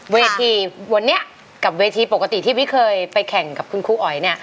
เวทีวันนี้กับเวทีปกติที่พี่เคยไปแข่งกับคุณครูอ๋อยเนี่ย